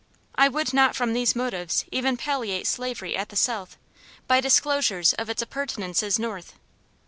I would not from these motives even palliate slavery at the South, by disclosures of its appurtenances North.